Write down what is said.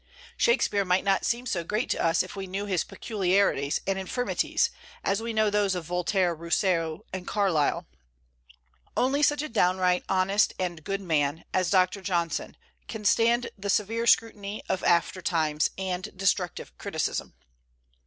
Shakspeare might not seem so great to us if we knew his peculiarities and infirmities as we know those of Voltaire, Rousseau, and Carlyle; only such a downright honest and good man as Dr. Johnson can stand the severe scrutiny of after times and "destructive criticism."